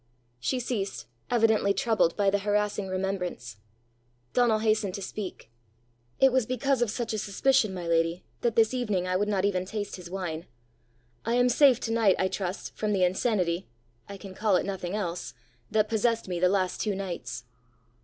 She ceased, evidently troubled by the harassing remembrance. Donal hastened to speak. "It was because of such a suspicion, my lady, that this evening I would not even taste his wine. I am safe to night, I trust, from the insanity I can call it nothing else that possessed me the last two nights."